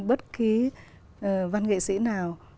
bất kì văn nghệ sĩ nào